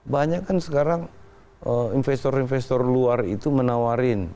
banyak kan sekarang investor investor luar itu menawarin